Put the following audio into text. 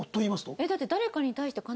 えっだって。